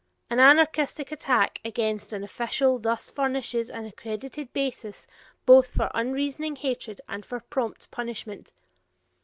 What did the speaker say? An anarchistic attack against an official thus furnishes an accredited basis both for unreasoning hatred and for prompt punishment.